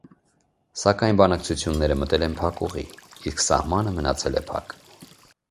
Սակայն բանակցությունները մտել են փակուղի, իսկ սահմանը՝ մնացել փակ։